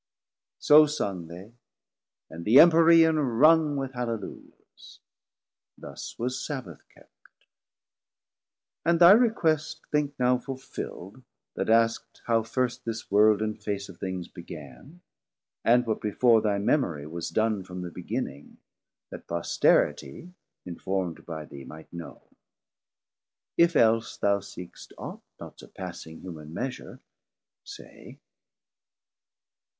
So sung they, and the Empyrean rung, With Halleluiahs: Thus was Sabbath kept. And thy request think now fulfill'd, that ask'd How first this World and face of things began, And what before thy memorie was don From the beginning, that posteritie Informd by thee might know; if else thou seekst Aught, not surpassing human measure, say.